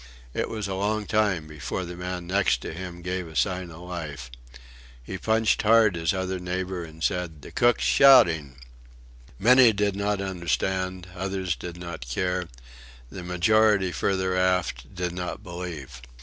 It was a long time before the man next to him gave a sign of life. He punched hard his other neighbour and said: "The cook's shouting!" Many did not understand, others did not care; the majority further aft did not believe.